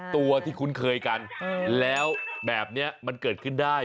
ตัวที่คุ้นเคยกันแล้วแบบนี้มันเกิดขึ้นได้